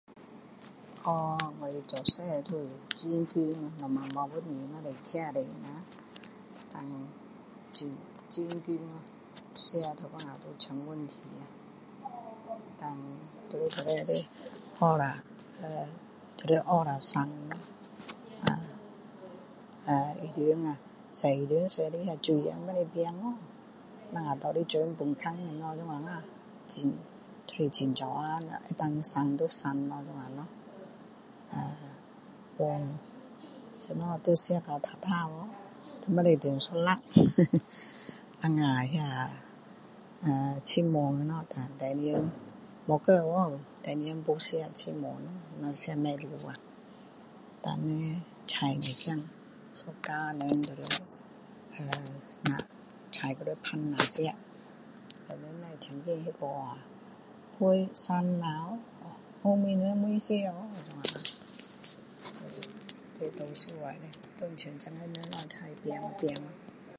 呵我从小很穷老板没有本事所以很穷吃有时候都成问题呀然后然后就要学下省呃衣服呀洗衣服的时候那个水不可以倒掉等下拿来冲厕所这样很剩这样能够省就省咯这样呃饭什么都吃到很干净去都不可以剩一粒等下那个剩饭什么第二天没有丢掉第二天又吃剩饭咯吃不完呀然后菜一点一家人都要菜还要分下吃省下后面人还没有吃哟都是很可怜的哪里有像现在的人菜丢掉丢掉